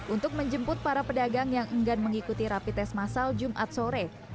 untuk menjemput para pedagang yang enggan mengikuti rapi tes masal jumat sore